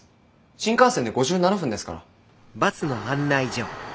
新幹線で５７分ですから。